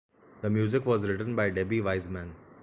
The music was written by Debbie Wiseman.